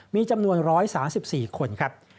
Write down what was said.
มีจำนวน๑๓๔คนครับ